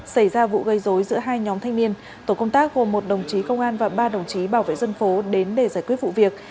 xảy ra vụ gây dối giữa hai nhóm thanh niên tổ công tác gồm một đồng chí công an và ba đồng chí bảo vệ dân phố đến để giải quyết vụ việc